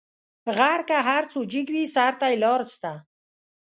غر که هر څو جګ وي؛ سر ته یې لار سته.